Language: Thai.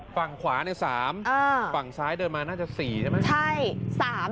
ฝั่งขวาเนี่ย๓ฝั่งซ้ายเดินมาความนึกภาษาแจ๊ะมั้ย